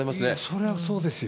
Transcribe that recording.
そりゃそうですよ。